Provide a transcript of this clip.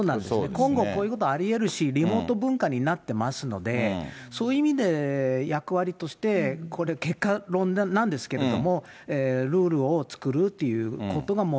今後、こういうことありえるし、リモート文化になってますので、そういう意味で、役割として結果論なんですけど、ルールを作るっていうことが、も